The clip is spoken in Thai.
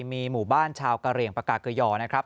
มีหมู่บ้านชาวกะเหลี่ยงปากาเกยอนะครับ